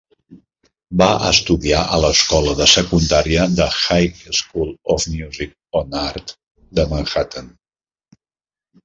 Va estudiar a l'escola de secundària The High School of Music and Art de Manhattan.